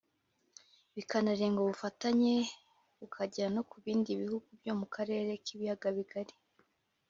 bikanarenga ubufatanye bukagera no ku bindi bihugu byo mu karere k’ibiyaga bigari